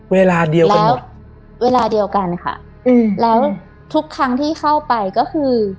เวลาเดียวกันแล้วเวลาเดียวกันค่ะอืมแล้วทุกครั้งที่เข้าไปก็คือ